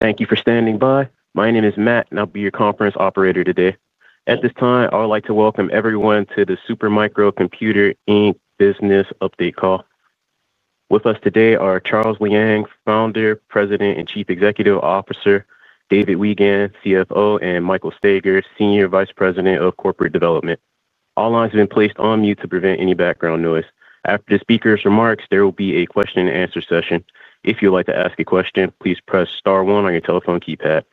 Thank you for standing by. My name is Matt, and I'll be your conference operator today. At this time, I would like to welcome everyone to the Super Micro Computer Inc. business update call. With us today are Charles Liang, Founder, President, and Chief Executive Officer, David Weigand, CFO, and Michael Staiger, Senior Vice President of Corporate Development. All lines have been placed on mute to prevent any background noise. After the speakers' remarks, there will be a question-and-answer session. If you would like to ask a question, please press star one on your telephone keypad.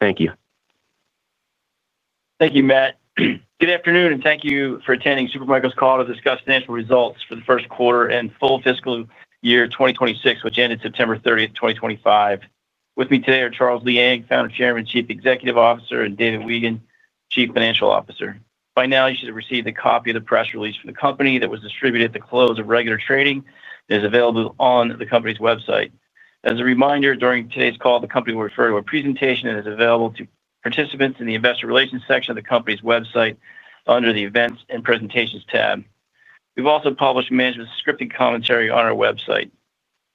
Thank you. Thank you, Matt. Good afternoon, and thank you for attending Super Micro's call to discuss financial results for the first quarter and full fiscal year 2026, which ended September 30, 2025. With me today are Charles Liang, Founder, Chairman, Chief Executive Officer, and David Weigand, Chief Financial Officer. By now, you should have received a copy of the press release from the company that was distributed at the close of regular trading and is available on the company's website. As a reminder, during today's call, the company will refer to a presentation that is available to participants in the investor relations section of the company's website under the events and presentations tab. We've also published management's scripted commentary on our website.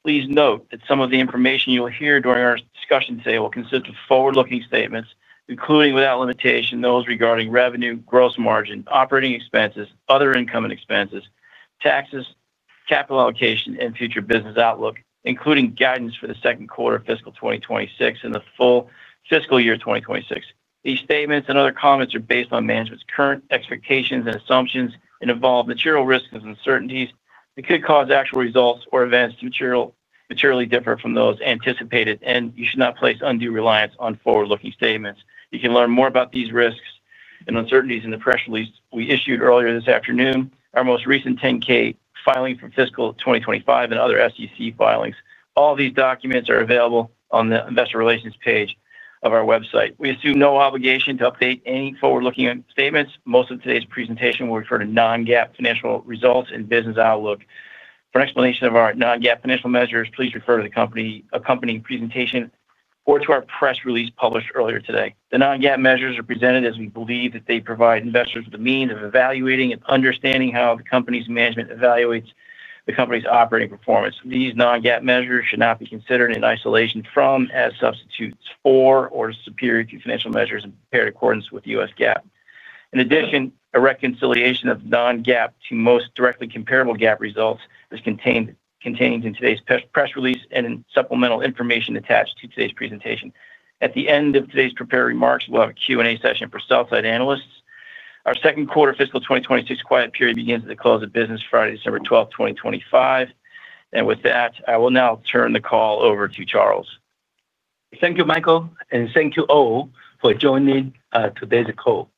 Please note that some of the information you'll hear during our discussion today will consist of forward-looking statements, including without limitation those regarding revenue, gross margin, operating expenses, other income and expenses, taxes, capital allocation, and future business outlook, including guidance for the second quarter of fiscal 2026 and the full fiscal year 2026. These statements and other comments are based on management's current expectations and assumptions and involve material risks and uncertainties that could cause actual results or events to materially differ from those anticipated, and you should not place undue reliance on forward-looking statements. You can learn more about these risks and uncertainties in the press release we issued earlier this afternoon, our most recent 10-K filing for fiscal 2025, and other SEC filings. All of these documents are available on the investor relations page of our website. We assume no obligation to update any forward-looking statements. Most of today's presentation will refer to non-GAAP financial results and business outlook. For an explanation of our non-GAAP financial measures, please refer to the company's accompanying presentation or to our press release published earlier today. The non-GAAP measures are presented as we believe that they provide investors with a means of evaluating and understanding how the company's management evaluates the company's operating performance. These non-GAAP measures should not be considered in isolation from, as substitutes for, or superior to financial measures prepared in accordance with U.S. GAAP. In addition, a reconciliation of non-GAAP to most directly comparable GAAP results is contained in today's press release and in supplemental information attached to today's presentation. At the end of today's prepared remarks, we'll have a Q&A session for sell-side analysts. Our second quarter fiscal 2026 quiet period begins at the close of business Friday, December 12, 2025, and with that, I will now turn the call over to Charles. Thank you, Michael, and thank you all for joining today's call.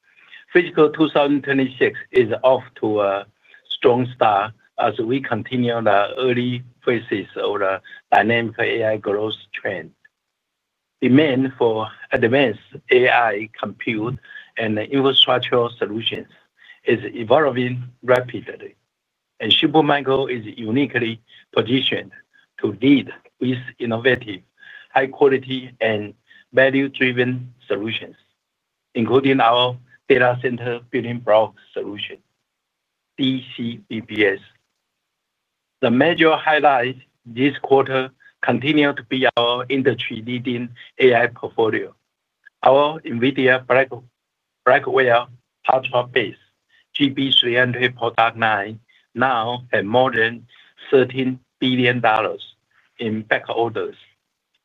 Fiscal 2026 is off to a strong start as we continue the early phases of the dynamic AI growth trend. Demand for advanced AI compute and infrastructural solutions is evolving rapidly, and Super Micro is uniquely positioned to lead with innovative, high-quality, and value-driven solutions, including our data center building block solution, DCBBS. The major highlights this quarter continue to be our industry-leading AI portfolio. Our NVIDIA Blackwell hardware-based GB300 product line now has more than $13 billion in back orders,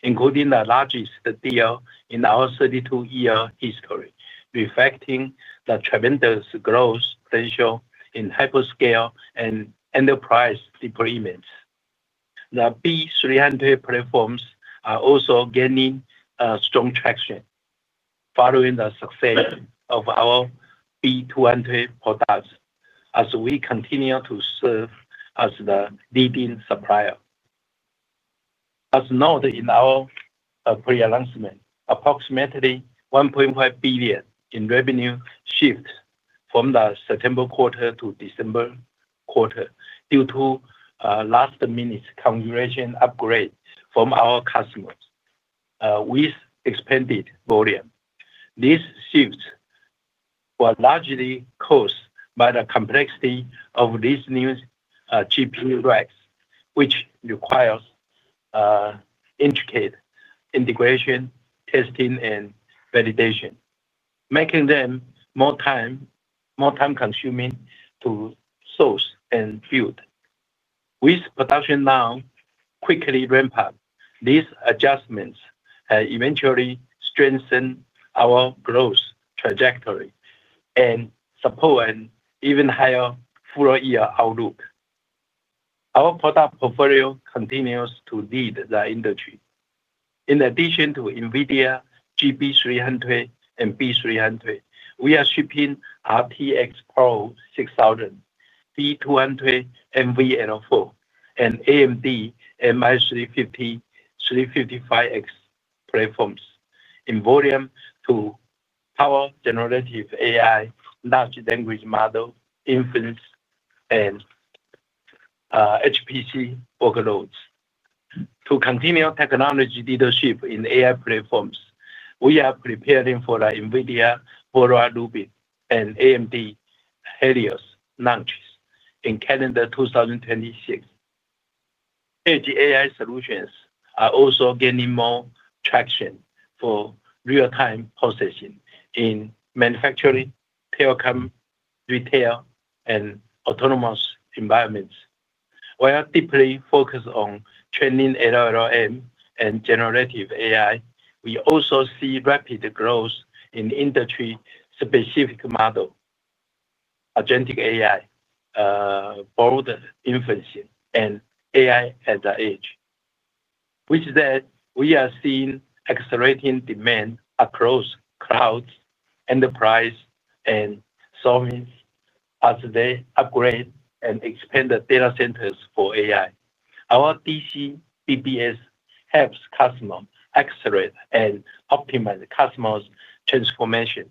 including the largest deal in our 32-year history, reflecting the tremendous growth potential in hyperscale and enterprise deployments. The B300 platforms are also gaining strong traction following the success of our B200 products as we continue to serve as the leading supplier. As noted in our pre-announcement, approximately $1.5 billion in revenue shift from the September quarter to December quarter due to last-minute configuration upgrade from our customers with expanded volume. These shifts were largely caused by the complexity of these new GPU racks, which requires intricate integration, testing, and validation, making them more time-consuming to source and build. With production now quickly ramp up, these adjustments have eventually strengthened our growth trajectory and support an even higher full-year outlook. Our product portfolio continues to lead the industry. In addition to NVIDIA GB300 and B300, we are shipping RTX PRO 6000, B200, NVL4, and AMD MI350/355X platforms in volume to power generative AI, large language model, inference, and HPC workloads. To continue technology leadership in AI platforms, we are preparing for the NVIDIA Vera Rubin and AMD Helios launches in calendar 2026. Edge AI solutions are also gaining more traction for real-time processing in manufacturing, telecom, retail, and autonomous environments. While deeply focused on training LLM and generative AI, we also see rapid growth in industry-specific models, agentic AI, cloud inferencing, and AI at the edge. With that, we are seeing accelerating demand across clouds, enterprise, and services as they upgrade and expand the data centers for AI. Our DCBBS helps customers accelerate and optimize customers' transformation.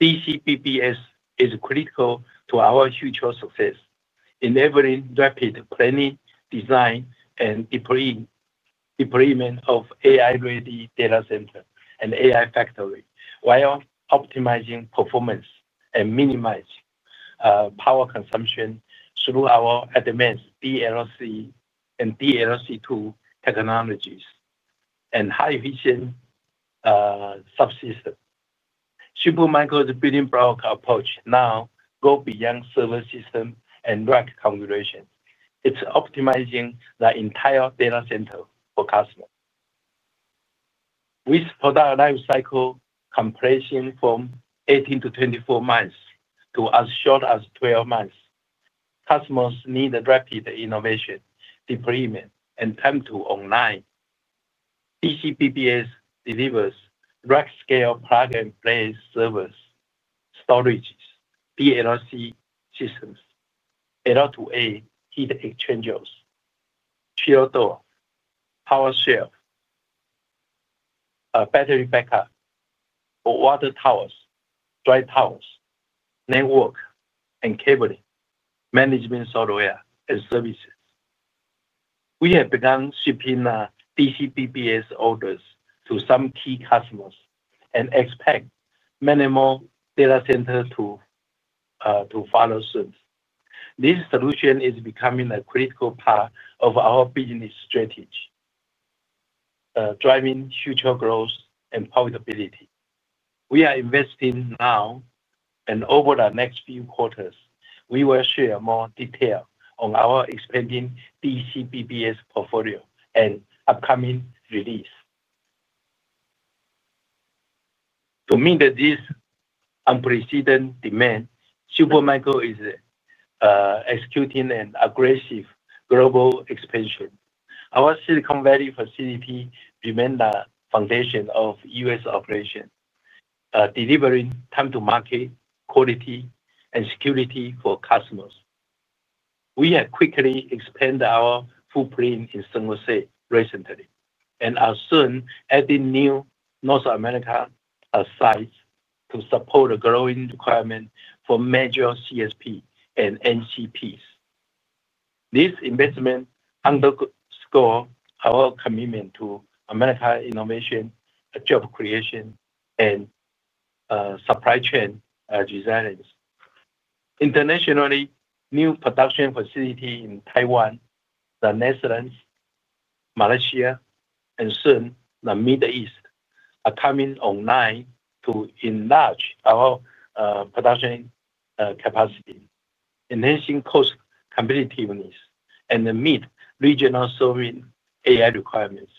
DCBBS is critical to our future success, enabling rapid planning, design, and deployment of AI-ready data centers and AI factories while optimizing performance and minimizing power consumption through our advanced DLC and DLC-2 technologies and high-efficiency subsystems. Super Micro's building block approach now goes beyond server system and rack configurations. It's optimizing the entire data center for customers. With product lifecycle completion from 18-24 months to as short as 12 months, customers need rapid innovation, deployment, and time to align. DCBBS delivers rack-scale plug-and-play servers, storage, DLC systems, DLC-2 heat exchangers, chill door, power shelf, battery backup, water towers, dry towers, network and cabling, management software and services. We have begun shipping DCBBS orders to some key customers and expect many more data centers to follow suit. This solution is becoming a critical part of our business strategy, driving future growth and profitability. We are investing now. Over the next few quarters, we will share more detail on our expanding DCBBS portfolio and upcoming release. To meet this unprecedented demand, Super Micro is executing an aggressive global expansion. Our Silicon Valley facility remains the foundation of U.S. operations, delivering time to market, quality, and security for customers. We have quickly expanded our footprint in San Jose recently and are soon adding new North American sites to support the growing requirement for major CSPs and NCPs. This investment underscores our commitment to American innovation, job creation, and supply chain resilience. Internationally, new production facilities in Taiwan, the Netherlands, Malaysia, and soon the Middle East are coming online to enlarge our production capacity, enhancing cost competitiveness, and meet regional serving AI requirements.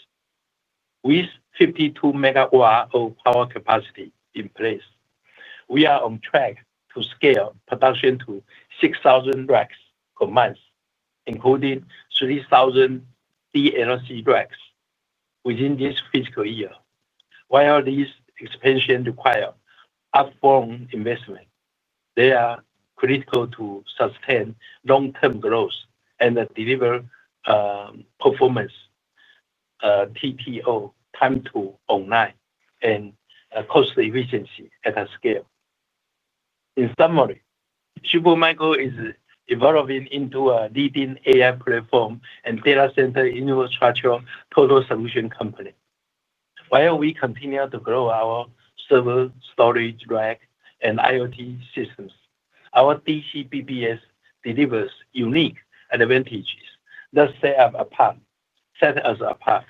With 52 MW of power capacity in place, we are on track to scale production to 6,000 racks per month, including 3,000 DLC racks within this fiscal year. While these expansions require upfront investment, they are critical to sustain long-term growth and deliver performance, TTO (Time-to-Online), and cost efficiency at a scale. In summary, Super Micro is evolving into a leading AI platform and data center infrastructure total solution company. While we continue to grow our server, storage rack, and IoT systems, our DCBBS delivers unique advantages that set us apart,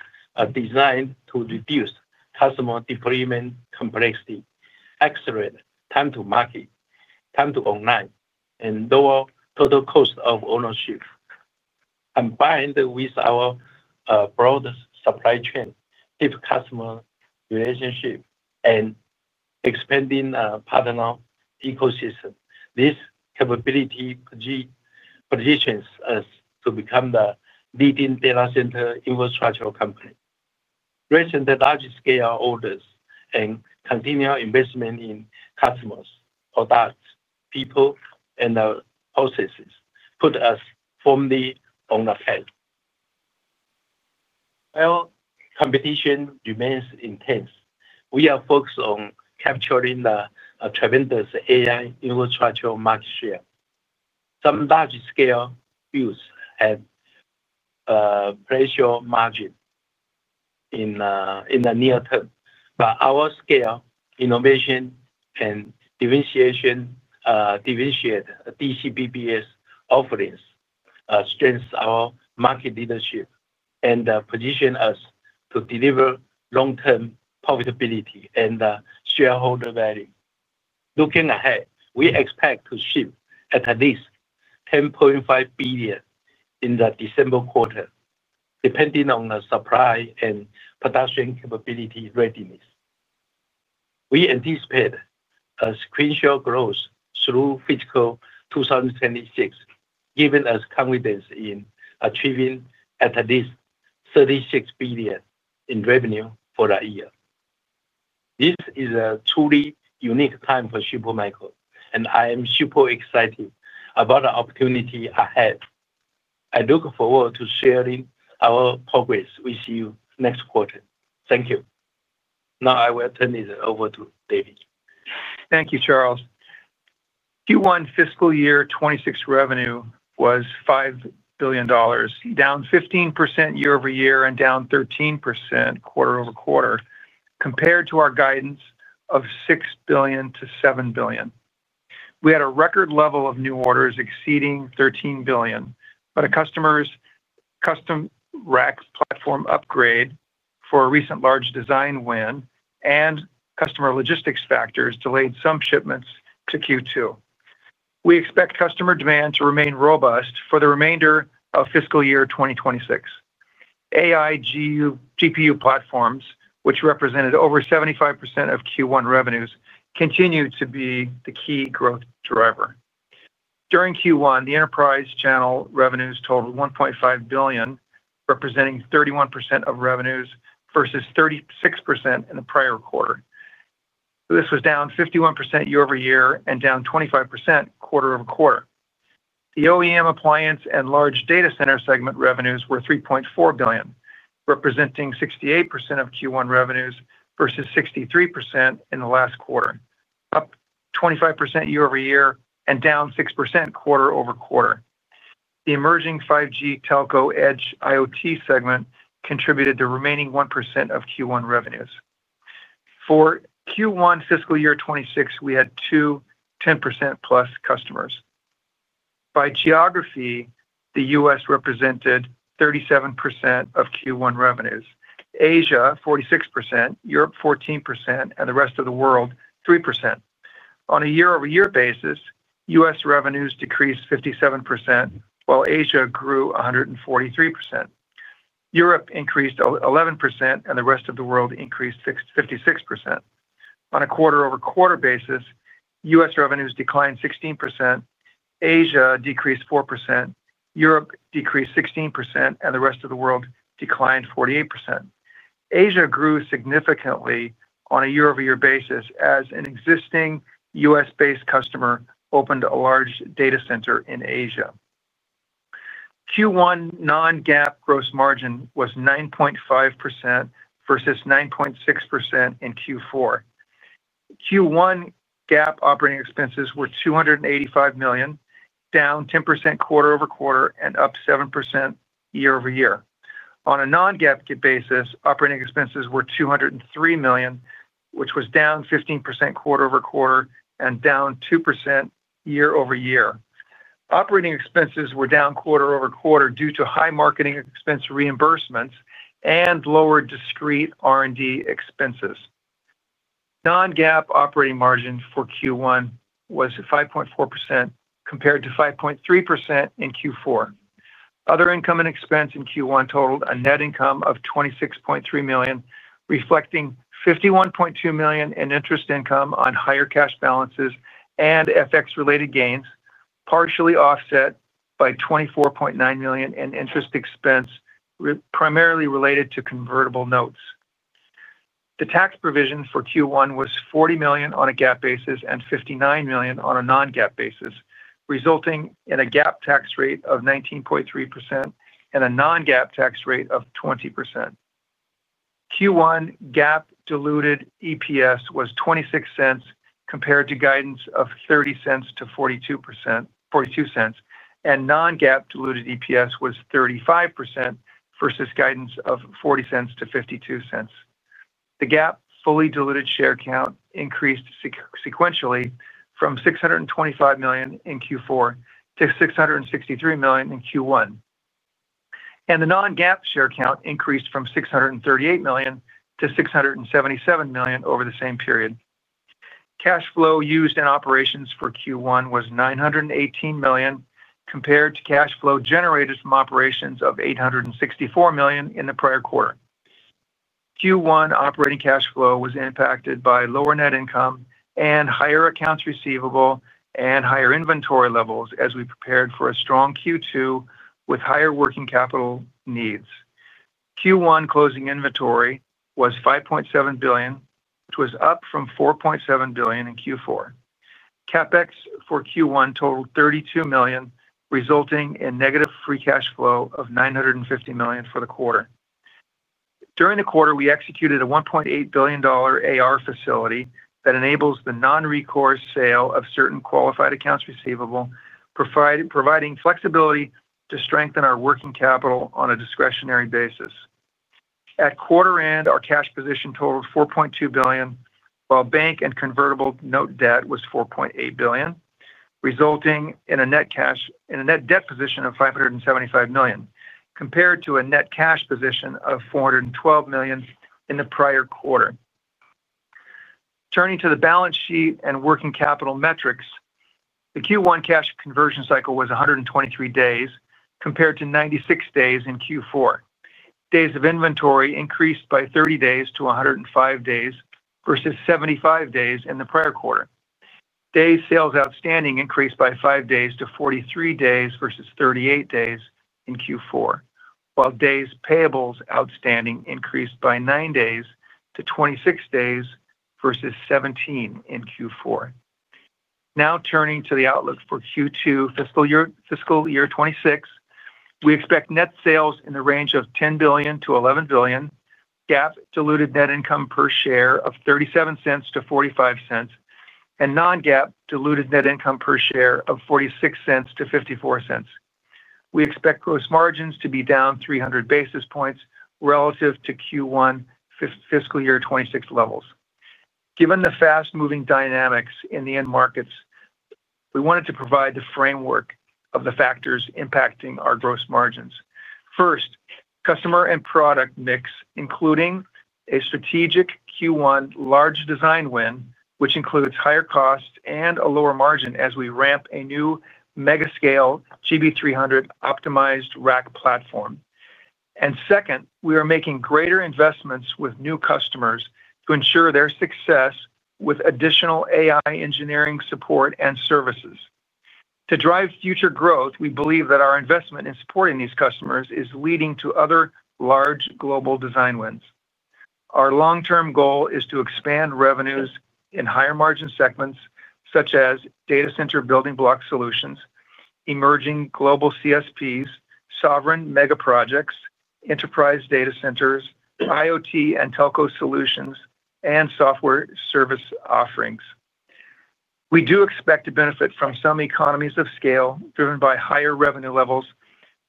designed to reduce customer deployment complexity, accelerate time to market, Time-to-Online, and lower total cost of ownership. Combined with our broad supply chain, deep customer relationship, and expanding partner ecosystem, this capability positions us to become the leading data center infrastructure company. Recent large-scale orders and continual investment in customers, products, people, and processes put us firmly on the path. While competition remains intense, we are focused on capturing the tremendous AI infrastructure market share. Some large-scale builds have a pressure margin in the near term, but our scale, innovation, and differentiation, DCBBS offerings, strengthen our market leadership and position us to deliver long-term profitability and shareholder value. Looking ahead, we expect to ship at least $10.5 billion in the December quarter, depending on the supply and production capability readiness. We anticipate a sequential growth through fiscal 2026, giving us confidence in achieving at least $36 billion in revenue for the year. This is a truly unique time for Super Micro, and I am super excited about the opportunity ahead. I look forward to sharing our progress with you next quarter. Thank you. Now I will turn it over to David. Thank you, Charles. Q1 fiscal year 2026 revenue was $5 billion, down 15% year-over-year and down 13% quarter-over-quarter compared to our guidance of $6 billion-$7 billion. We had a record level of new orders exceeding $13 billion, but a customer rack platform upgrade for a recent large design win and customer logistics factors delayed some shipments to Q2. We expect customer demand to remain robust for the remainder of fiscal year 2026. AI GPU platforms, which represented over 75% of Q1 revenues, continue to be the key growth driver. During Q1, the enterprise channel revenues totaled $1.5 billion, representing 31% of revenues versus 36% in the prior quarter. This was down 51% year-over-year and down 25% quarte-over-quarter. The OEM appliance and large data center segment revenues were $3.4 billion, representing 68% of Q1 revenues versus 63% in the last quarter, up 25% year-over-year and down 6% quarter-over-quarter. The emerging 5G telco edge IoT segment contributed the remaining 1% of Q1 revenues. For Q1 fiscal year 2026, we had two 10%-plus customers. By geography, the U.S. represented 37% of Q1 revenues, Asia 46%, Europe 14%, and the rest of the world 3%. On a year-over-year basis, U.S. revenues decreased 57%, while Asia grew 143%. Europe increased 11%, and the rest of the world increased 56%. On a quarter-over-quarter basis, U.S. revenues declined 16%. Asia decreased 4%, Europe decreased 16%, and the rest of the world declined 48%. Asia grew significantly on a year-over-year basis as an existing U.S.-based customer opened a large data center in Asia. Q1 non-GAAP gross margin was 9.5% versus 9.6% in Q4. Q1 GAAP operating expenses were $285 million, down 10% quarter-over-quarter and up 7% year-over-year. On a non-GAAP basis, operating expenses were $203 million, which was down 15% quarter-over-quarter and down 2% year-over-year. Operating expenses were down quarter-over-quarter due to high marketing expense reimbursements and lower discrete R&D expenses. Non-GAAP operating margin for Q1 was 5.4% compared to 5.3% in Q4. Other income and expense in Q1 totaled a net income of $26.3 million, reflecting $51.2 million in interest income on higher cash balances and FX-related gains, partially offset by $24.9 million in interest expense, primarily related to convertible notes. The tax provision for Q1 was $40 million on a GAAP basis and $59 million on a non-GAAP basis, resulting in a GAAP tax rate of 19.3% and a non-GAAP tax rate of 20%. Q1 GAAP diluted EPS was $0.26 compared to guidance of $0.30-$0.42. And non-GAAP diluted EPS was $0.35 versus guidance of $0.40-$0.52. The GAAP fully diluted share count increased sequentially from 625 million in Q4 to 663 million in Q1. And the non-GAAP share count increased from 638 million-677 million over the same period. Cash flow used in operations for Q1 was $918 million compared to cash flow generated from operations of $864 million in the prior quarter. Q1 operating cash flow was impacted by lower net income and higher accounts receivable and higher inventory levels as we prepared for a strong Q2 with higher working capital needs. Q1 closing inventory was $5.7 billion, which was up from $4.7 billion in Q4. CapEx for Q1 totaled $32 million, resulting in negative free cash flow of $950 million for the quarter. During the quarter, we executed a $1.8 billion AR facility that enables the non-recourse sale of certain qualified accounts receivable, providing flexibility to strengthen our working capital on a discretionary basis. At quarter-end, our cash position totaled $4.2 billion, while bank and convertible note debt was $4.8 billion, resulting in a net debt position of $575 million compared to a net cash position of $412 million in the prior quarter. Turning to the balance sheet and working capital metrics, the Q1 cash conversion cycle was 123 days compared to 96 days in Q4. Days of inventory increased by 30 days to 105 days versus 75 days in the prior quarter. Days sales outstanding increased by 5 days to 43 days versus 38 days in Q4, while days payables outstanding increased by 9 days to 26 days versus 17 in Q4. Now turning to the outlook for Q2 fiscal year 2026, we expect net sales in the range of $10 billion-$11 billion, GAAP diluted net income per share of $0.37-$0.45, and non-GAAP diluted net income per share of $0.46-$0.54. We expect gross margins to be down 300 basis points relative to Q1 fiscal year 2026 levels. Given the fast-moving dynamics in the end markets, we wanted to provide the framework of the factors impacting our gross margins. First, customer and product mix, including a strategic Q1 large design win, which includes higher costs and a lower margin as we ramp a new mega-scale GB300 optimized rack platform. And second, we are making greater investments with new customers to ensure their success with additional AI engineering support and services. To drive future growth, we believe that our investment in supporting these customers is leading to other large global design wins. Our long-term goal is to expand revenues in higher margin segments such as data center building block solutions, emerging global CSPs, sovereign mega projects, enterprise data centers, IoT and telco solutions, and software service offerings. We do expect to benefit from some economies of scale driven by higher revenue levels,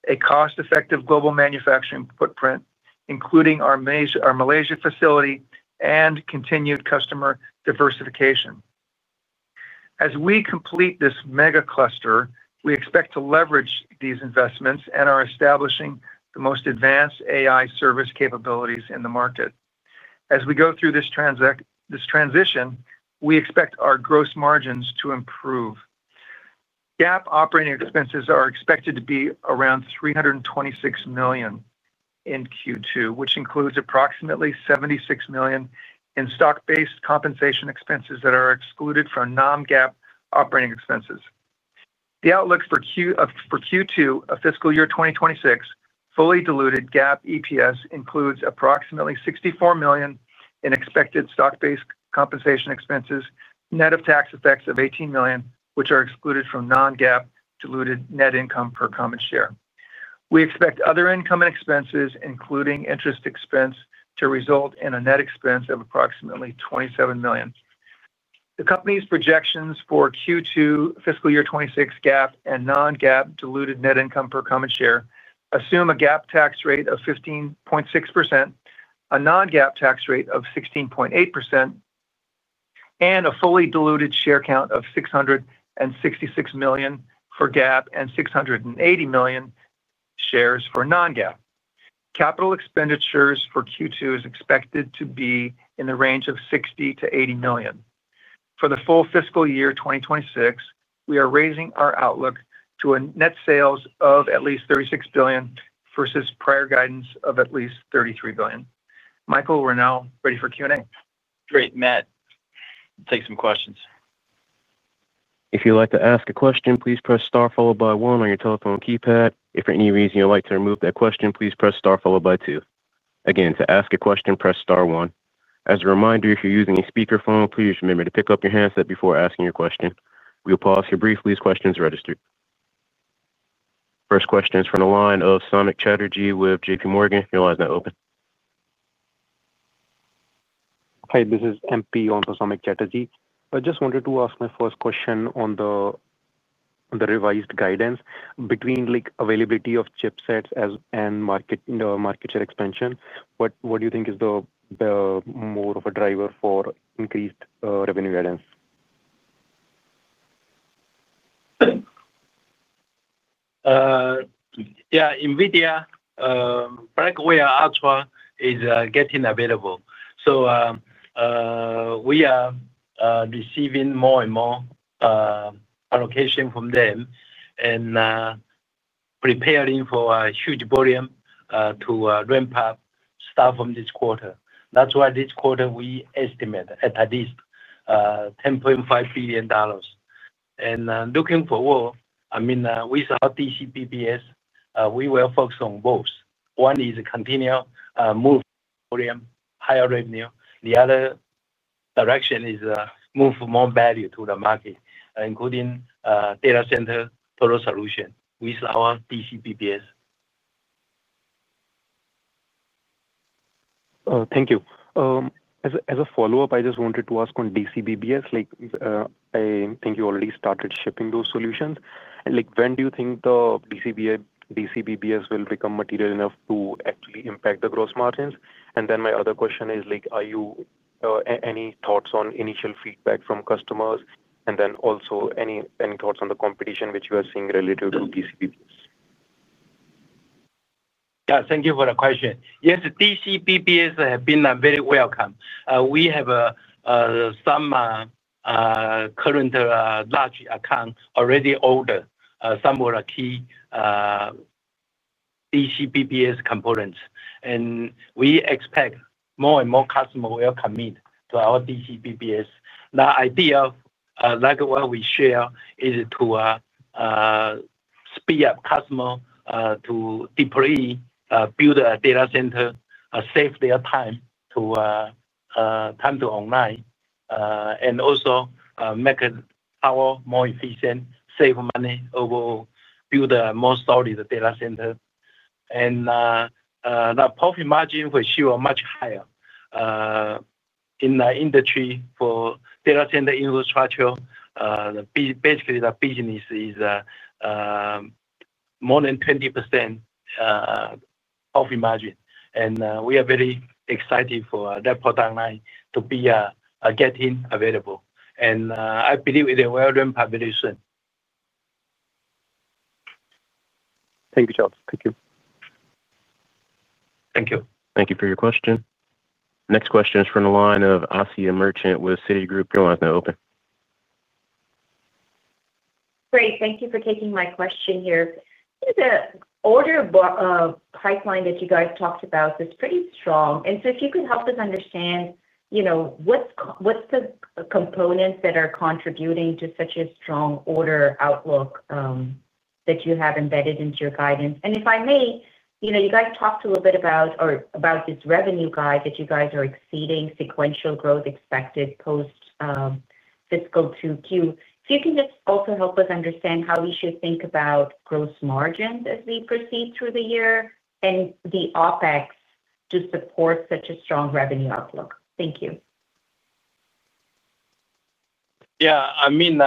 a cost-effective global manufacturing footprint, including our Malaysia facility, and continued customer diversification. As we complete this mega cluster, we expect to leverage these investments and are establishing the most advanced AI service capabilities in the market. As we go through this transition, we expect our gross margins to improve. GAAP operating expenses are expected to be around $326 million. In Q2, which includes approximately $76 million in stock-based compensation expenses that are excluded from non-GAAP operating expenses. The outlook for Q2 of fiscal year 2026, fully diluted GAAP EPS includes approximately $64 million in expected stock-based compensation expenses, net of tax effects of $18 million, which are excluded from non-GAAP diluted net income per common share. We expect other income and expenses, including interest expense, to result in a net expense of approximately $27 million. The company's projections for Q2 fiscal year 2026 GAAP and non-GAAP diluted net income per common share assume a GAAP tax rate of 15.6%, a non-GAAP tax rate of 16.8%, and a fully diluted share count of 666 million for GAAP and 680 million shares for non-GAAP. Capital expenditures for Q2 are expected to be in the range of $60 million-$80 million. For the full fiscal year 2026, we are raising our outlook to a net sales of at least $36 billion versus prior guidance of at least $33 billion. Michael, we're now ready for Q&A. Great. Matt, take some questions. If you'd like to ask a question, please press star followed by one on your telephone keypad. If for any reason you'd like to remove that question, please press star followed by two. Again, to ask a question, press star one. As a reminder, if you're using a speakerphone, please remember to pick up your handset before asking your question. We will pause here briefly as questions are registered. First question is from the line of Samik Chatterjee with JPMorgan. Your line's now open. Hi, this is MP on for Samik Chatterjee. I just wanted to ask my first question on the revised guidance between availability of chipsets and market share expansion. What do you think is the more of a driver for increased revenue guidance? Yeah. NVIDIA Blackwell Ultra is getting available. So, we are receiving more and more allocation from them and preparing for a huge volume to ramp up stuff from this quarter. That's why this quarter we estimate at least $10.5 billion. And looking forward, I mean, with our TCP/PS, we will focus on both. One is a continual move volume, higher revenue. The other direction is move more value to the market, including data center total solution with our TCP/PS. Thank you. As a follow-up, I just wanted to ask on DCBBS. I think you already started shipping those solutions. When do you think the DCBBS will become material enough to actually impact the gross margins? And then my other question is, any thoughts on initial feedback from customers? And then also any thoughts on the competition which you are seeing related to DCBBS? Yeah. Thank you for the question. Yes, DCBBS have been very welcome. We have some current large account already ordered some of the key DCBBS components. And we expect more and more customers will commit to our DCBBS. The idea of what we share is to speed up customers to deploy, build a data center, save their Time-to-Online and also make our more efficient, save money overall, build a more solid data center. And the profit margin for sure are much higher in the industry for data center infrastructure. Basically, the business is more than 20% profit margin. And we are very excited for that product line to be getting available. And I believe it will ramp up very soon. Thank you, Charles. Thank you. Thank you. Thank you for your question. Next question is from the line of Asiya Merchant with Citigroup. Your line's now open. Great. Thank you for taking my question here. The order pipeline that you guys talked about is pretty strong. And so if you could help us understand what's the components that are contributing to such a strong order outlook that you have embedded into your guidance? And if I may, you guys talked a little bit about this revenue guide that you guys are exceeding sequential growth expected post fiscal Q2. If you can just also help us understand how we should think about gross margins as we proceed through the year and the OpEx to support such a strong revenue outlook. Thank you. Yeah. I mean,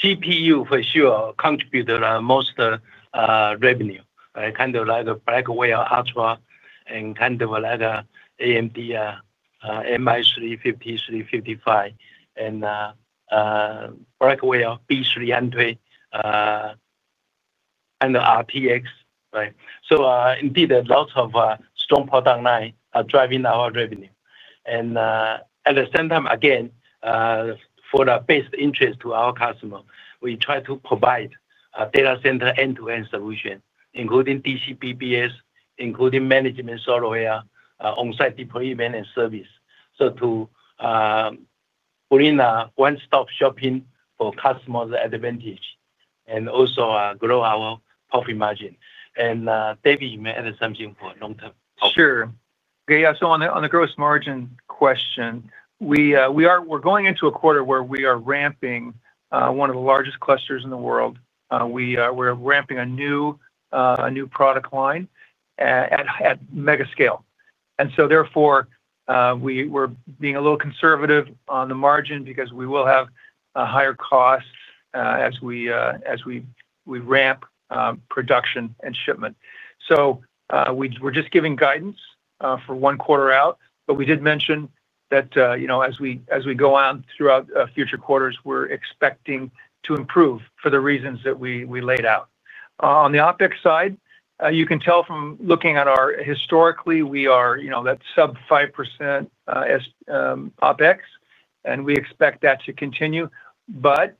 GPU for sure contributed most revenue. Kind of like Blackwell Ultra and kind of like AMD MI350, 355, and Blackwell B300 and RTX. So indeed, lots of strong product lines are driving our revenue. And at the same time, again, for the best interest to our customers, we try to provide data center end-to-end solution, including DCBBS, including management software, on-site deployment, and service. So to bring one-stop shopping for customers' advantage and also grow our profit margin. And David, you may add something for long-term topics. Sure. Yeah. So on the gross margin question, we're going into a quarter where we are ramping one of the largest clusters in the world. We are ramping a new product line at mega scale. And so therefore, we're being a little conservative on the margin because we will have higher costs as we ramp production and shipment. So we're just giving guidance for one quarter out. But we did mention that as we go on throughout future quarters, we're expecting to improve for the reasons that we laid out. On the OpEx side, you can tell from looking at our historically, we are that sub-5% OpEx, and we expect that to continue. But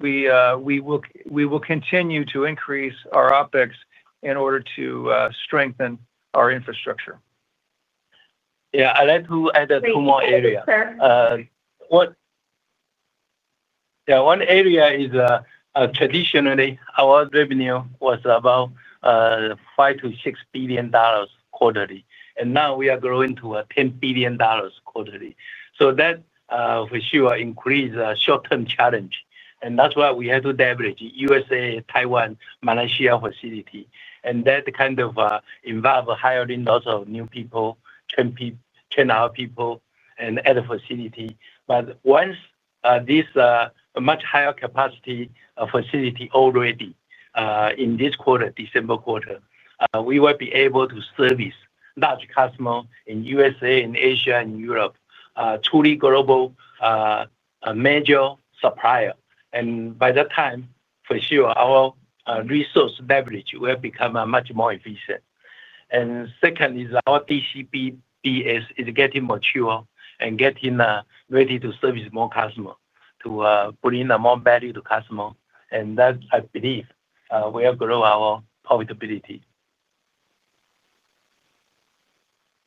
we will continue to increase our OpEx in order to strengthen our infrastructure. Yeah. I'd like to add two more areas. Yeah. One area is traditionally, our revenue was about $5 billion-$6 billion quarterly, and now we are growing to $10 billion quarterly, so that for sure increased short-term challenge, and that's why we had to leverage U.S.A., Taiwan, Malaysia facility. And that kind of involved hiring lots of new people, train our people and add a facility, but once this much higher capacity facility already in this quarter, December quarter, we will be able to service large customers in U.S.A., in Asia, and Europe, truly global major supplier. And by that time, for sure, our resource leverage will become much more efficient, and second is our DCBBS is getting mature and getting ready to service more customers to bring more value to customers. And that, I believe, will grow our profitability.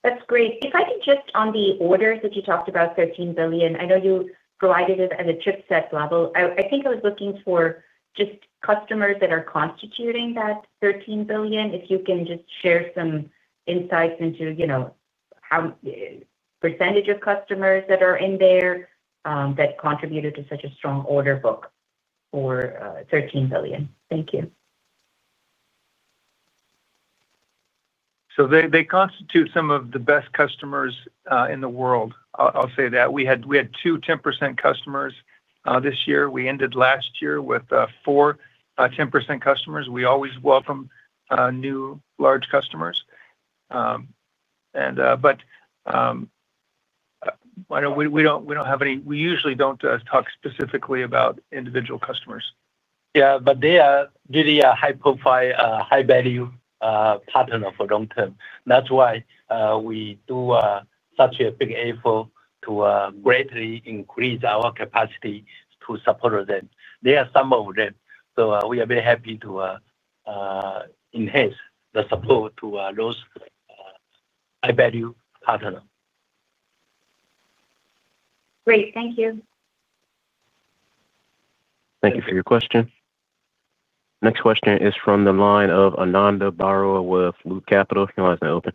That's great. If I could just on the orders that you talked about, $13 billion, I know you provided it at a chipset level. I think I was looking for just customers that are constituting that $13 billion. If you can just share some insights into how percentage of customers that are in there that contributed to such a strong order book for $13 billion. Thank you. So they constitute some of the best customers in the world. I'll say that. We had two 10% customers this year. We ended last year with four 10% customers. We always welcome new large customers. But I know we don't have any. We usually don't talk specifically about individual customers. Yeah, but they are really a high-profile, high-value partner for long-term. That's why we do such a big effort to greatly increase our capacity to support them. They are some of them. So we are very happy to enhance the support to those high-value partners. Great. Thank you. Thank you for your question. Next question is from the line of Ananda Baruah with Loop Capital. Your line's now open.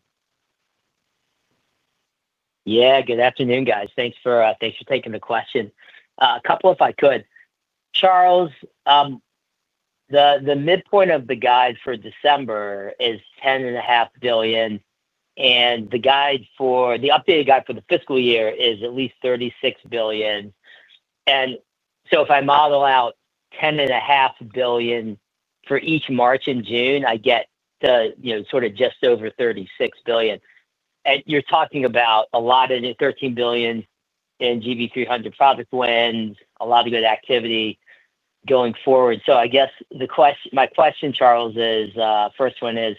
Yeah. Good afternoon, guys. Thanks for taking the question. A couple if I could. Charles. The midpoint of the guide for December is $10.5 billion. And the updated guide for the fiscal year is at least $36 billion. And so if I model out $10.5 billion for each March and June, I get to sort of just over $36 billion. And you're talking about a lot of $13 billion in GB300 product wins, a lot of good activity going forward. So I guess my question, Charles, is first one is.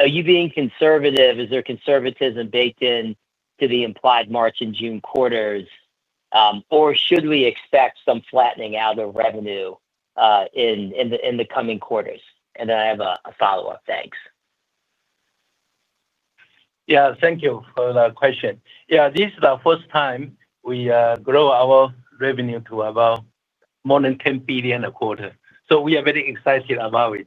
Are you being conservative? Is there conservatism baked into the implied March and June quarters, or should we expect some flattening out of revenue in the coming quarters? And then I have a follow-up. Thanks. Yeah. Thank you for the question. Yeah. This is the first time we grow our revenue to about more than $10 billion a quarter. So we are very excited about it.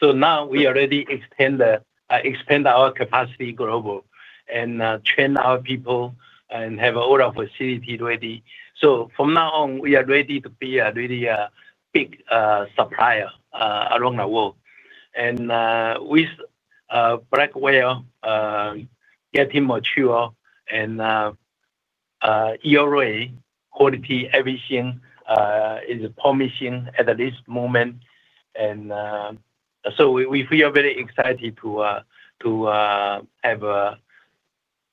So now we already expand our capacity global and train our people and have all our facilities ready. So from now on, we are ready to be a really big supplier around the world. And with Blackwell getting mature and ERA quality everything is promising at this moment. And so we feel very excited to have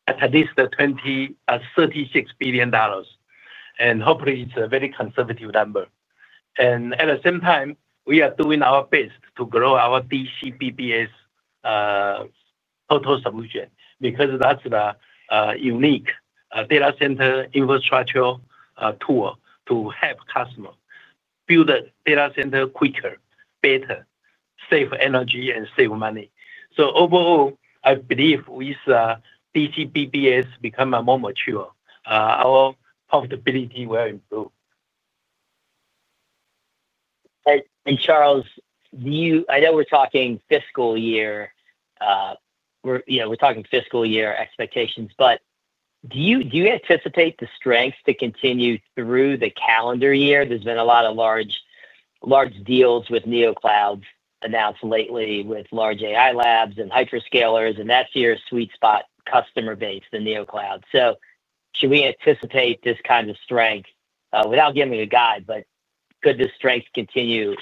at least $36 billion. And hopefully, it's a very conservative number. And at the same time, we are doing our best to grow our DCBBS total solution because that's the unique data center infrastructure tool to help customers build a data center quicker, better, save energy, and save money. So overall, I believe with DCBBS becoming more mature, our profitability will improve. And Charles, I know we're talking fiscal year. We're talking fiscal year expectations. But do you anticipate the strength to continue through the calendar year? There's been a lot of large new cloud deals announced lately with large AI labs and hyperscalers. And that's your sweet spot, customer base, the new cloud. So should we anticipate this kind of strength without giving a guide, but could the strength continue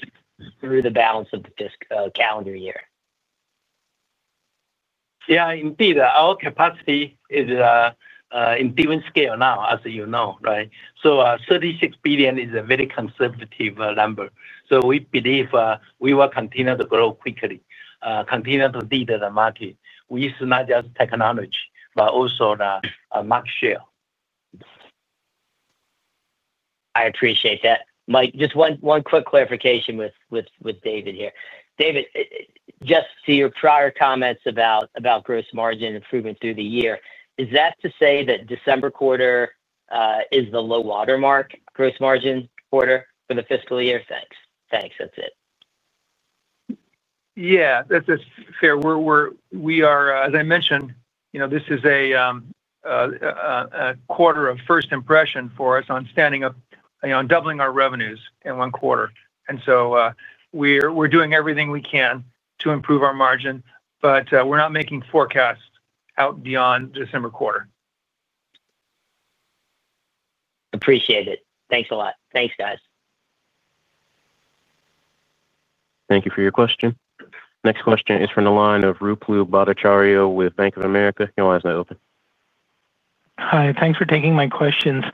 through the balance of the calendar year? Yeah. Indeed, our capacity is in different scales now, as you know, right? So $36 billion is a very conservative number. So we believe we will continue to grow quickly, continue to lead the market with not just technology, but also the market share. I appreciate that. Just one quick clarification with David here. David. Just to your prior comments about gross margin improvement through the year, is that to say that December quarter is the low watermark gross margin quarter for the fiscal year? Thanks. Thanks. That's it. Yeah. That's fair. As I mentioned, this is a quarter of first impression for us on doubling our revenues in one quarter. And so. We're doing everything we can to improve our margin, but we're not making forecasts out beyond December quarter. Appreciate it. Thanks a lot. Thanks, guys. Thank you for your question. Next question is from the line of Ruplu Bhattacharya with Bank of America. Your line's now open. Hi. Thanks for taking my questions.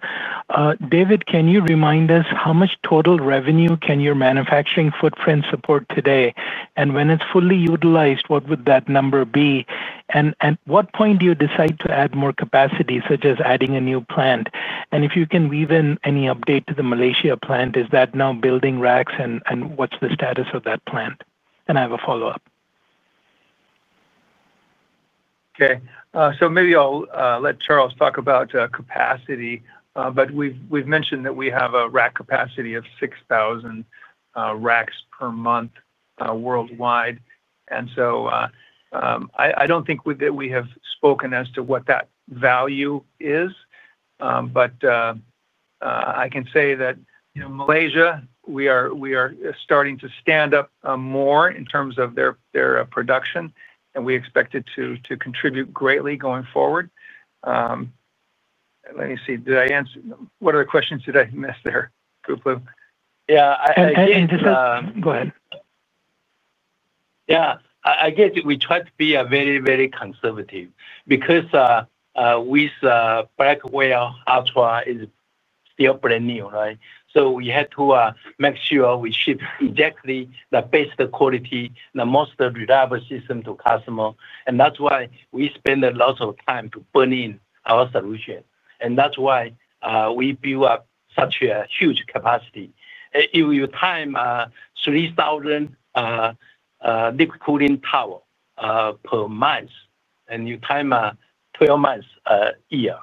David, can you remind us how much total revenue can your manufacturing footprint support today? And when it's fully utilized, what would that number be? And at what point do you decide to add more capacity, such as adding a new plant? And if you can weave in any update to the Malaysia plant, is that now building racks? And what's the status of that plant? And I have a follow-up. Okay. So maybe I'll let Charles talk about capacity, but we've mentioned that we have a rack capacity of 6,000 racks per month worldwide, and so I don't think that we have spoken as to what that value is. I can say that Malaysia, we are starting to stand up more in terms of their production. And we expect it to contribute greatly going forward. Let me see. Did I answer? What other questions did I miss there, Ruplu? Yeah. I think. Go ahead. Yeah. I guess we tried to be very, very conservative because with Blackwell Ultra is still brand new, right? So we had to make sure we ship exactly the best quality, the most reliable system to customers. And that's why we spend a lot of time to burn in our solution. And that's why we build up such a huge capacity. If you time 3,000 liquid cooling towers per month, and you time 12 months a year,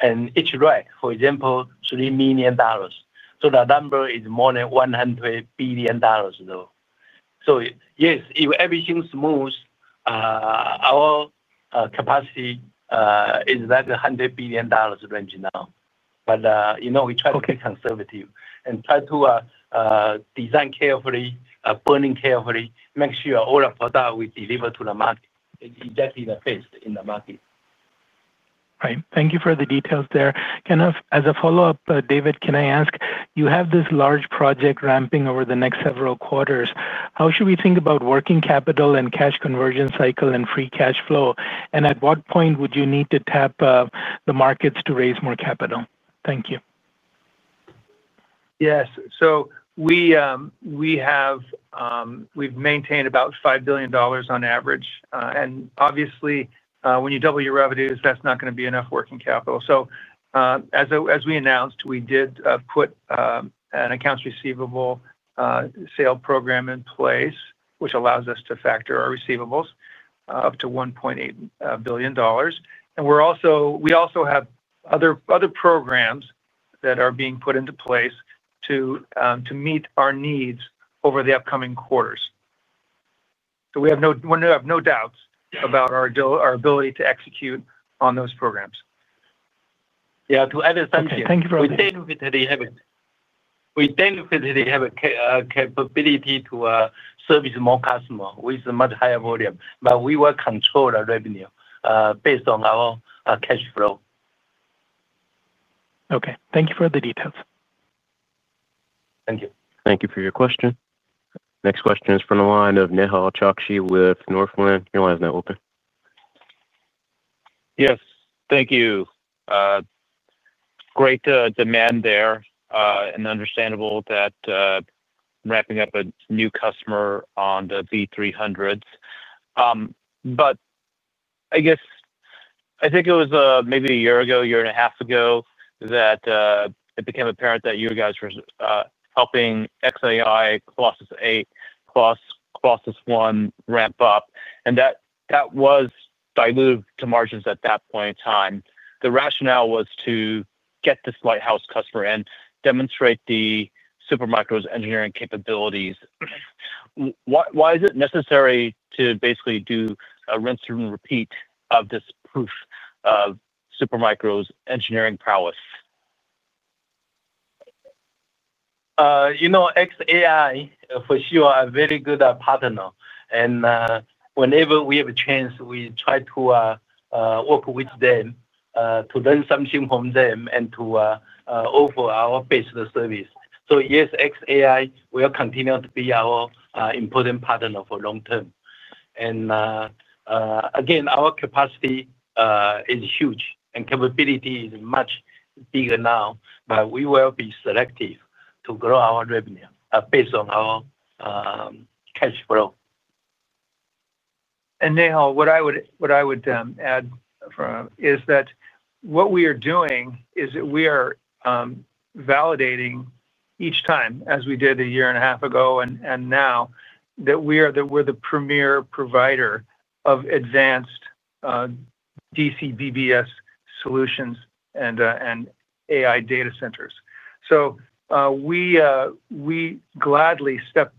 and each rack, for example, $3 million, so the number is more than $100 billion though. So yes, if everything smooths. Our capacity is like $100 billion range now. But we try to be conservative and try to design carefully, burn in carefully, make sure all our product we deliver to the market is exactly the best in the market. Right. Thank you for the details there. Kind of as a follow-up, David, can I ask? You have this large project ramping over the next several quarters. How should we think about working capital and cash conversion cycle and free cash flow? And at what point would you need to tap the markets to raise more capital? Thank you. Yes. So we've maintained about $5 billion on average. And obviously, when you double your revenues, that's not going to be enough working capital. So as we announced, we did put an accounts receivable sale program in place, which allows us to factor our receivables up to $1.8 billion. And we also have other programs that are being put into place to meet our needs over the upcoming quarters. So we have no doubts about our ability to execute on those programs. Yeah. To add. Thank you very much. We tend to have a capability to service more customers with a much higher volume. But we will control our revenue based on our cash flow. Okay. Thank you for the details. Thank you. Thank you for your question. Next question is from the line of Nehal Chokshi with Northland. Your line's now open. Yes. Thank you. Great demand there, and understandable that. I'm wrapping up a new customer on the V300s. But I guess I think it was maybe a year ago, a year and a half ago, that it became apparent that you guys were helping xAI Plus 8 Plus 1 ramp up. And that was diluted to margins at that point in time. The rationale was to get this lighthouse customer and demonstrate Super Micro's engineering capabilities. Why is it necessary to basically do a rinse and repeat of this proof of Super Micro's engineering prowess? xAI, for sure, are a very good partner, and whenever we have a chance, we try to work with them to learn something from them and to offer our best service, so yes, xAI will continue to be our important partner for long term, and again, our capacity is huge and capability is much bigger now, but we will be selective to grow our revenue based on our cash flow. And now what I would add is that what we are doing is validating each time, as we did a year and a half ago and now, that we're the premier provider of advanced DCBBS solutions and AI data centers. So we gladly step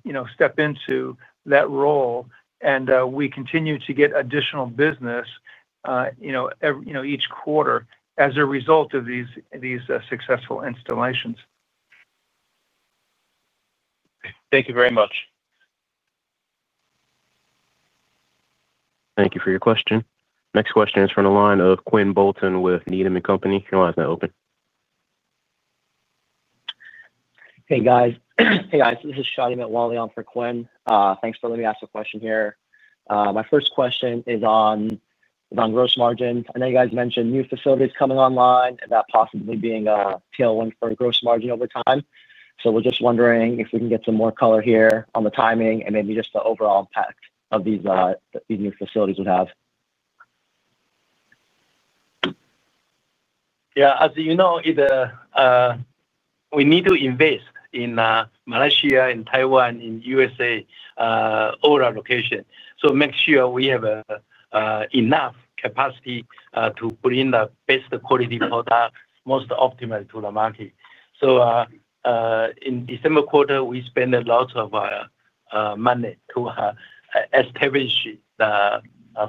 into that role, and we continue to get additional business each quarter as a result of these successful installations. Thank you very much. Thank you for your question. Next question is from the line of Quinn Bolton with Needham & Company. Your line's now open. Hey, guys. Hey, guys. This is Shadi Mitwalli on for Quinn. Thanks for letting me ask a question here. My first question is on gross margin. I know you guys mentioned new facilities coming online and that possibly being a tailwind for gross margin over time. So we're just wondering if we can get some more color here on the timing and maybe just the overall impact of these new facilities we have. Yeah. As you know, we need to invest in Malaysia and Taiwan and U.S.A., all our locations. So make sure we have enough capacity to bring the best quality product, most optimal to the market. So, in December quarter, we spent a lot of money to establish the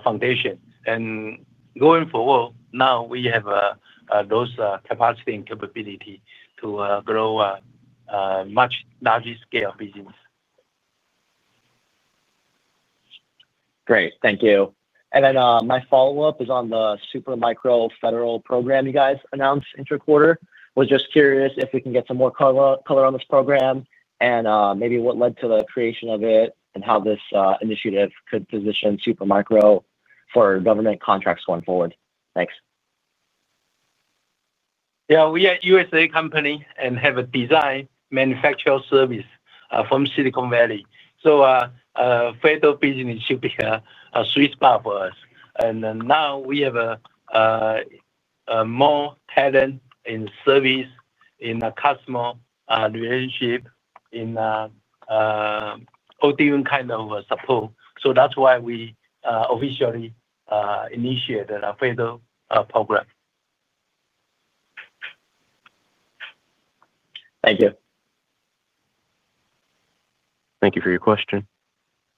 foundation. And going forward, now we have those capacity and capability to grow a much larger scale business. Great. Thank you, and then my follow-up is on the Super Micro federal program you guys announced this quarter. Was just curious if we can get some more color on this program and maybe what led to the creation of it and how this initiative could position Super Micro for government contracts going forward. Thanks. Yeah. We are a U.S.A. company and have a design manufacturing service from Silicon Valley. So federal business should be a sweet spot for us. And now we have more talent in service in customer relationship in all different kinds of support. So that's why we officially initiated a federal program. Thank you. Thank you for your question.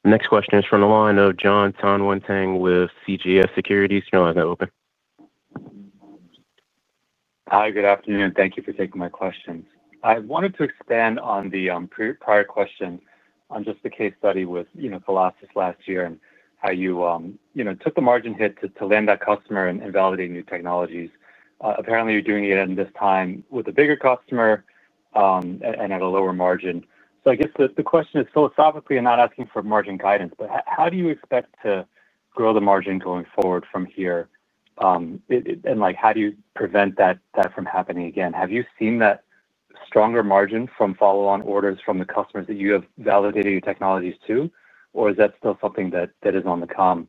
Next question is from the line of Jonathan Tanwanteng with CJS Securities. Your line's now open. Hi. Good afternoon. Thank you for taking my questions. I wanted to expand on the prior question on just the case study with Helios last year and how you took the margin hit to land that customer and validate new technologies. Apparently, you're doing it at this time with a bigger customer and at a lower margin. So I guess the question is philosophically, I'm not asking for margin guidance, but how do you expect to grow the margin going forward from here? And how do you prevent that from happening again? Have you seen that stronger margin from follow-on orders from the customers that you have validated your technologies to? Or is that still something that is on the come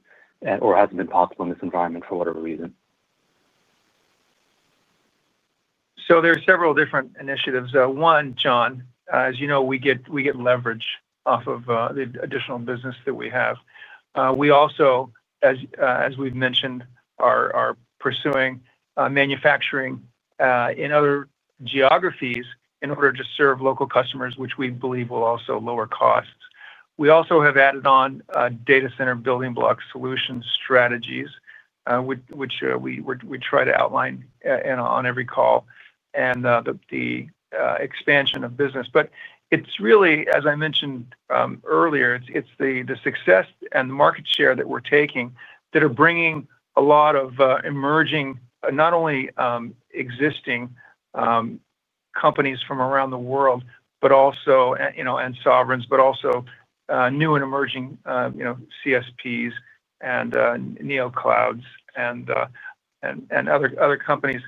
or hasn't been possible in this environment for whatever reason? So there are several different initiatives. One, John, as you know, we get leverage off of the additional business that we have. We also, as we've mentioned, are pursuing manufacturing in other geographies in order to serve local customers, which we believe will also lower costs. We also have added on data center building block solution strategies, which we try to outline on every call, and the expansion of business. But it's really, as I mentioned earlier, it's the success and the market share that we're taking that are bringing a lot of emerging, not only existing companies from around the world, but also sovereigns, but also new and emerging CSPs and NeoClouds and other companies,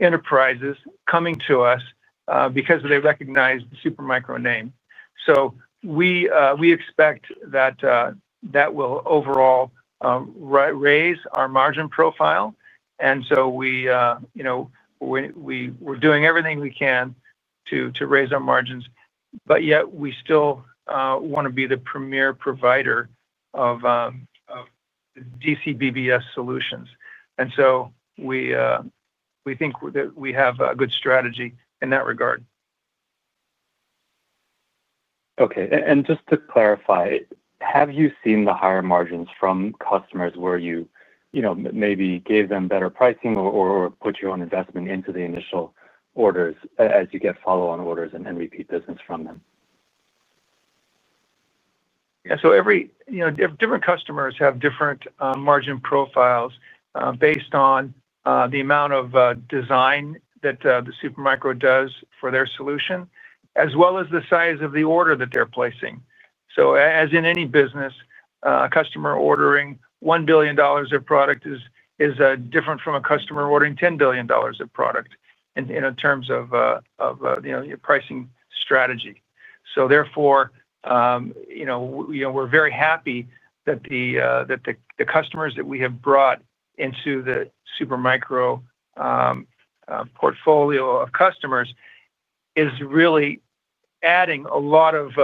enterprises coming to us because they recognize the Super Micro name. So we expect that that will overall raise our margin profile. And so we're doing everything we can to raise our margins. But yet, we still want to be the premier provider of DCBBS solutions. And so we think that we have a good strategy in that regard. Okay. And just to clarify, have you seen the higher margins from customers where you maybe gave them better pricing or put your own investment into the initial orders as you get follow-on orders and repeat business from them? Yeah, so different customers have different margin profiles based on the amount of design that the Super Micro does for their solution, as well as the size of the order that they're placing. So as in any business, a customer ordering $1 billion of product is different from a customer ordering $10 billion of product in terms of your pricing strategy. So therefore, we're very happy that the customers that we have brought into the Super Micro portfolio of customers is really adding a lot of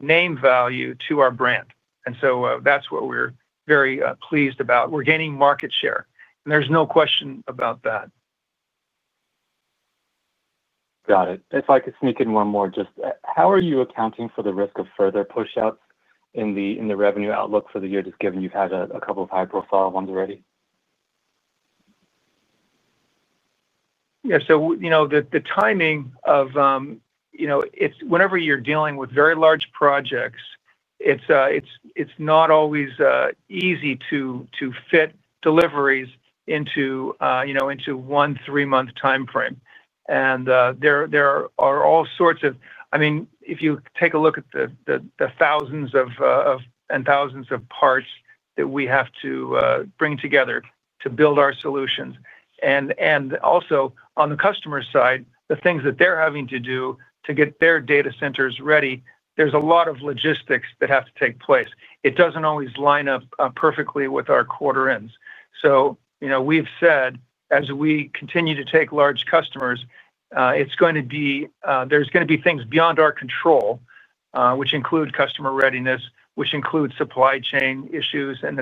name value to our brand, and so that's what we're very pleased about. We're gaining market share, and there's no question about that. Got it. If I could sneak in one more, just how are you accounting for the risk of further push-outs in the revenue outlook for the year, just given you've had a couple of high-profile ones already? Yeah. So the timing of whenever you're dealing with very large projects, it's not always easy to fit deliveries into one three-month timeframe, and there are all sorts of, I mean, if you take a look at the thousands of parts that we have to bring together to build our solutions, and also, on the customer side, the things that they're having to do to get their data centers ready, there's a lot of logistics that have to take place. It doesn't always line up perfectly with our quarter ends. So we've said, as we continue to take large customers, it's going to be, there's going to be things beyond our control, which include customer readiness, which includes supply chain issues, and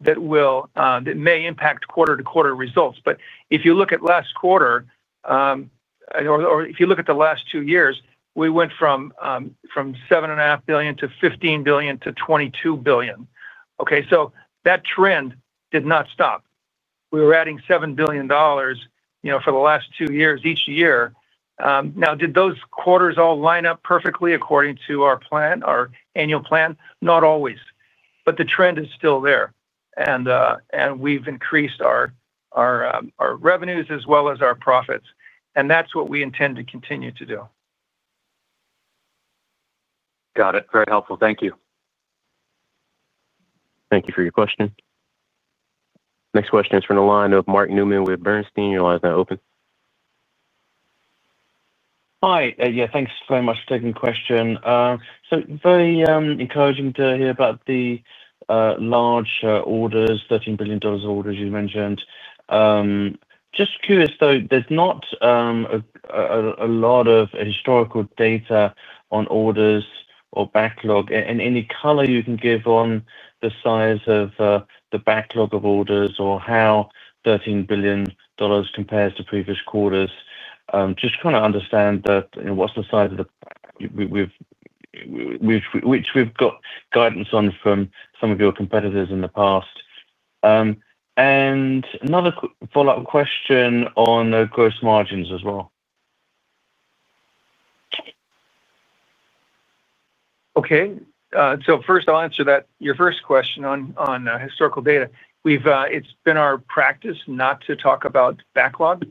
etc., that may impact quarter-to-quarter results. But if you look at last quarter or if you look at the last two years, we went from $7.5 billion-$15 billion to $22 billion. Okay. So that trend did not stop. We were adding $7 billion for the last two years each year. Now, did those quarters all line up perfectly according to our plan, our annual plan? Not always. But the trend is still there, and we've increased our revenues as well as our profits, and that's what we intend to continue to do. Got it. Very helpful. Thank you. Thank you for your question. Next question is from the line of Mark Newman with Bernstein. Your line's now open. Hi. Yeah. Thanks very much for taking the question. So very encouraging to hear about the large orders, $13 billion of orders you've mentioned. Just curious though, there's not a lot of historical data on orders or backlog. And any color you can give on the size of the backlog of orders or how $13 billion compares to previous quarters, just trying to understand that. What's the size of the which we've got guidance on from some of your competitors in the past. And another follow-up question on the gross margins as well. Okay. So first, I'll answer your first question on historical data. It's been our practice not to talk about backlog.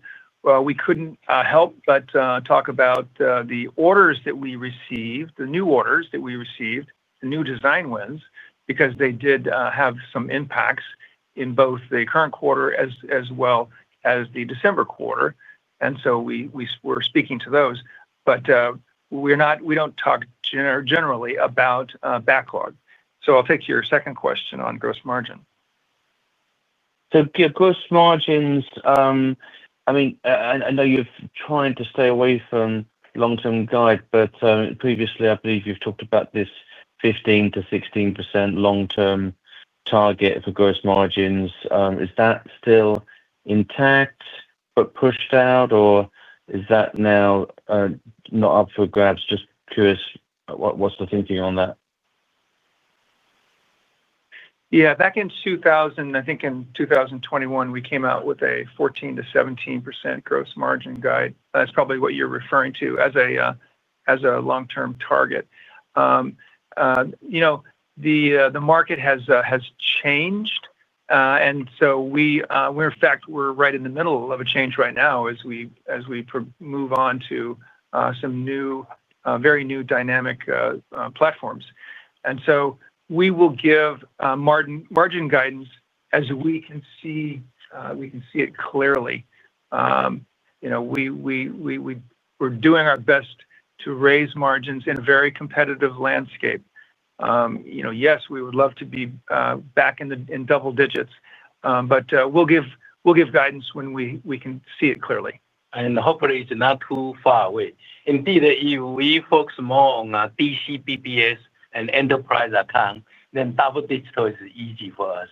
We couldn't help but talk about the orders that we received, the new orders that we received, the new design wins because they did have some impacts in both the current quarter as well as the December quarter. And so we were speaking to those. But we don't talk generally about backlog. So I'll take your second question on gross margin. So gross margins. I mean, I know you're trying to stay away from long-term guide, but previously, I believe you've talked about this 15%-16% long-term target for gross margins. Is that still intact but pushed out, or is that now not up for grabs? Just curious what's the thinking on that. Yeah. Back in 2021, we came out with a 14%-17% gross margin guide. That's probably what you're referring to as a long-term target. The market has changed. And so, in fact, we're right in the middle of a change right now as we move on to some very new dynamic platforms. And so we will give margin guidance as we can see it clearly. We're doing our best to raise margins in a very competitive landscape. Yes, we would love to be back in double digits. But we'll give guidance when we can see it clearly. And hopefully, it's not too far away. Indeed, if we focus more on DCBBS and enterprise account, then double-digit is easy for us.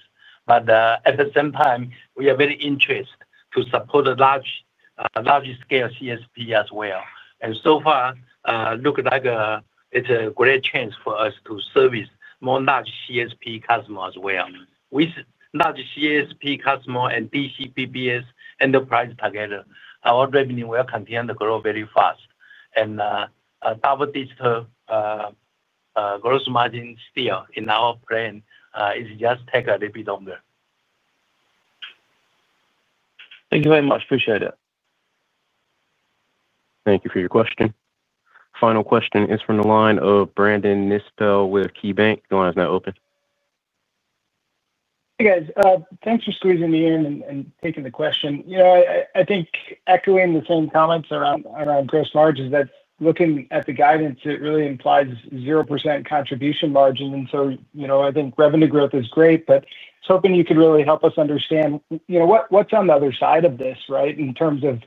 But at the same time, we are very interested to support a large-scale CSP as well. And so far, it looks like it's a great chance for us to service more large CSP customers as well. With large CSP customers and DCBBS enterprise together, our revenue will continue to grow very fast. And double-digit gross margin still in our plan is just take a little bit longer. Thank you very much. Appreciate it. Thank you for your question. Final question is from the line of Brandon Nispel with KeyBanc. The line is now open. Hey, guys. Thanks for squeezing me in and taking the question. I think echoing the same comments around gross margins, that looking at the guidance, it really implies 0% contribution margin. And so I think revenue growth is great, but I was hoping you could really help us understand what's on the other side of this, right, in terms of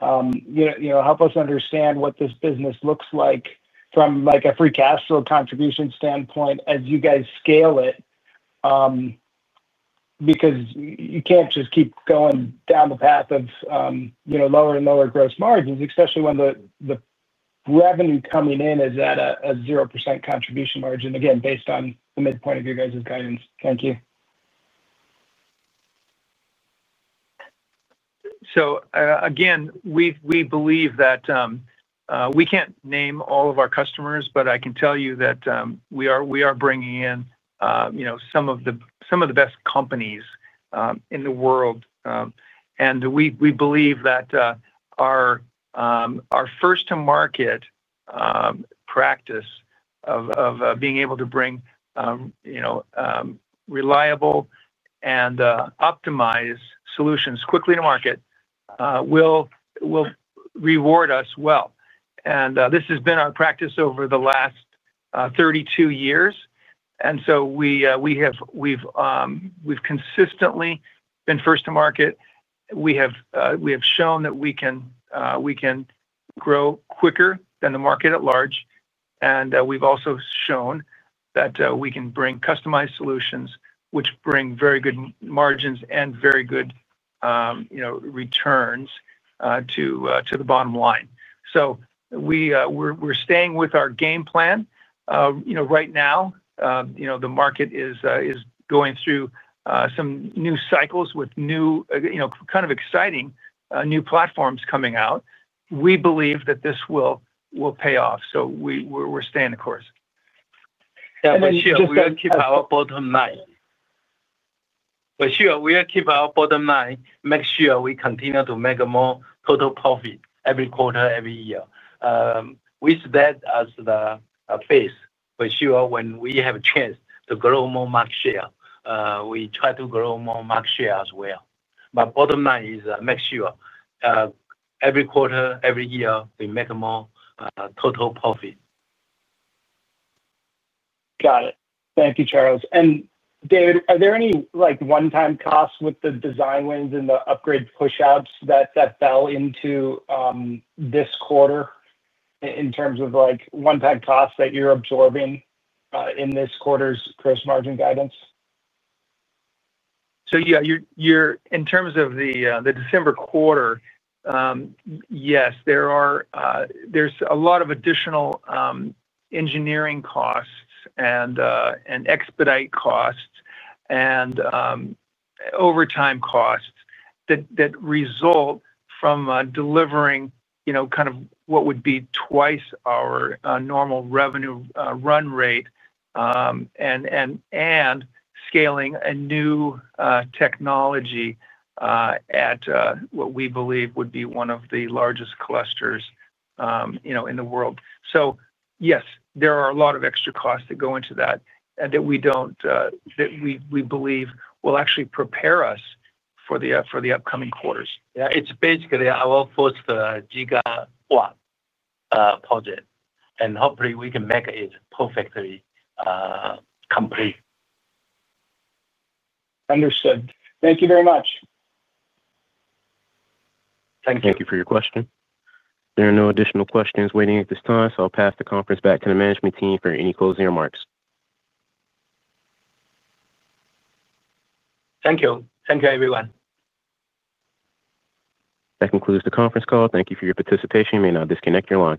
help us understand what this business looks like from a free cash flow contribution standpoint as you guys scale it. Because you can't just keep going down the path of lower and lower gross margins, especially when the revenue coming in is at a 0% contribution margin, again, based on the midpoint of your guys' guidance. Thank you. So again, we believe that we can't name all of our customers, but I can tell you that we are bringing in some of the best companies in the world. And we believe that our first-to-market practice of being able to bring reliable and optimized solutions quickly to market will reward us well. And this has been our practice over the last 32 years. And so we've consistently been first-to-market. We have shown that we can grow quicker than the market at large. And we've also shown that we can bring customized solutions, which bring very good margins and very good returns to the bottom line. So we're staying with our game plan. Right now the market is going through some new cycles with kind of exciting new platforms coming out. We believe that this will pay off. So we're staying the course. Yeah. But sure, we'll keep our bottom line, make sure we continue to make more total profit every quarter, every year. With that as the phase, for sure, when we have a chance to grow more market share, we try to grow more market share as well. But bottom line is make sure. Every quarter, every year, we make more total profit. Got it. Thank you, Charles. And David, are there any one-time costs with the design wins and the upgrade push-outs that fell into this quarter? In terms of one-time costs that you're absorbing in this quarter's gross margin guidance? So yeah, in terms of the December quarter, yes, there's a lot of additional engineering costs and expedite costs and overtime costs that result from delivering kind of what would be twice our normal revenue run rate and scaling a new technology at what we believe would be one of the largest clusters in the world. So yes, there are a lot of extra costs that go into that and that we don't, that we believe will actually prepare us for the upcoming quarters. Yeah. It's basically our first Gigawatt project, and hopefully, we can make it perfectly complete. Understood. Thank you very much. Thank you. Thank you for your question. There are no additional questions waiting at this time. So I'll pass the conference back to the management team for any closing remarks. Thank you. Thank you, everyone. That concludes the conference call. Thank you for your participation. You may now disconnect your line.